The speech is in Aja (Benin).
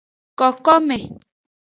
Kokome.